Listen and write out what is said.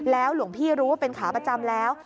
หลวงพี่รู้ว่าเป็นขาประจำแล้ว